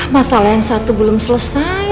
masalah yang satu belum selesai